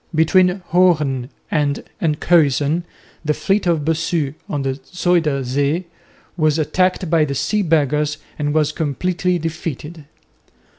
Between Hoorn and Enkhuizen the fleet of Bossu on the Zuyder Zee was attacked by the Sea Beggars and was completely defeated.